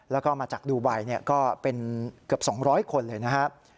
แล้วก็มาจากดูไบก็เป็นเกือบ๒๐๐คนเลยนะครับ